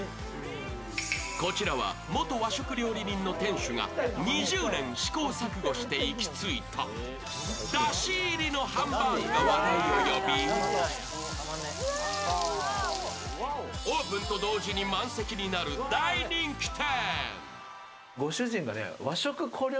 こちらは元和食料理人の店主が２０年試行錯誤して行き着いただし入りのハンバーグが話題を呼び、オープンと同時に満席になる大人気店。